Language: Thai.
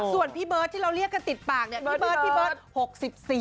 ส่วนพี่เบิร์ตที่เราเรียกกันติดปากพี่เบิร์ต๖๔ปี